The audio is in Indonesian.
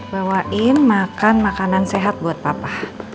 bawain makan makanan sehat buat papa